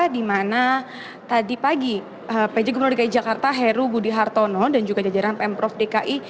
di mana tadi pagi pj gubernur dki jakarta heru budi hartono dan juga jajaran pemprov dki